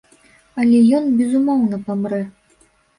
Алё ён безумоўна памрэ.